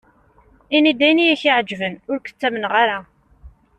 Ini-d ayen i ak-iɛeǧben, ur k-ttamneɣ ara.